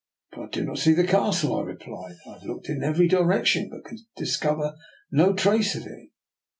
" But I do not see the castle," I replied, " I have looked in every direction, but can discover no trace of it."